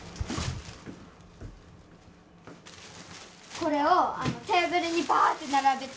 これをテーブルにバーッて並べて。